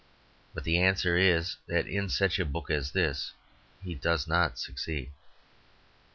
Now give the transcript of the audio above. But the answer is that in such a book as this he does not succeed.